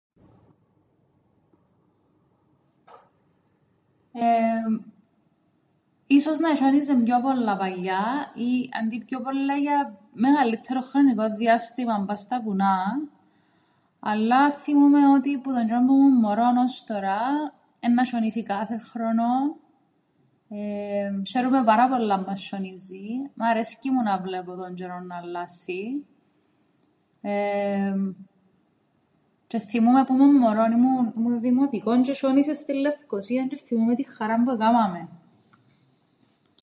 Εεεμ ίσως να εσ̆ιόνιζε πιο πολλά παλιά ή αντί πιο πολλά για μεγαλλύττερον χρονικόν διάστημαν πά' στα βουνά, αλλά θθυμούμαι ότι που τον τζ̆αιρόν που 'μουν μωρόν ώς τωρά εννά σ̆ιονίσει κάθε χρόνον εμ σ̆αίρουμαι πάρα πολλά άμαν σ̆ιονίζει εμέναν αρέσκει μου να βλέπω τον τζ̆αιρόν ν' αλλάσσει εμ τζαι θθυμούμαι που 'μουν μωρόν, ήμουν δημοτικόν, τζ̆αι εσ̆ιόνισεν στην Λευκωσίαν τζ̆αι θθυμούμαι την χαράν που εκάμαμεν.